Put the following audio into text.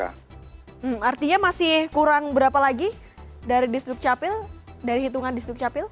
artinya masih kurang berapa lagi dari di sudut capil dari hitungan di sudut capil